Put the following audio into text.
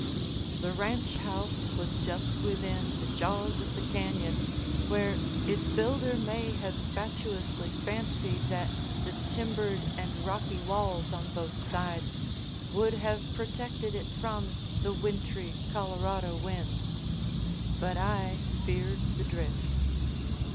The ranch house was just within the jaws of the cañon where its builder may have fatuously fancied that the timbered and rocky walls on both sides would have protected it from the wintry Colorado winds; but I feared the drift.